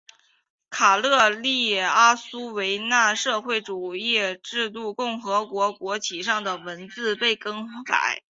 卡累利阿苏维埃社会主义自治共和国国旗上的文字被更改。